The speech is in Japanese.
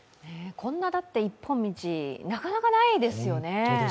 こんな一本道、なかなかないですよね。